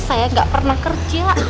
saya gak pernah kerja